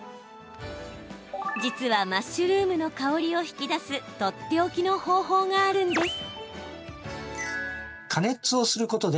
実はマッシュルームの香りを引き出すとっておきの方法があるんです。